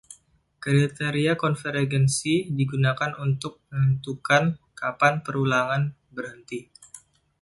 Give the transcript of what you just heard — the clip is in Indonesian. Kriteria konvergensi digunakan untuk menentukan kapan perulangan berhenti.